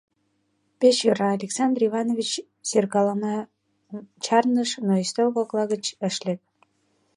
— Пеш йӧра, — Александр Иванович серкалымым чарныш, но ӱстел кокла гыч ыш лек.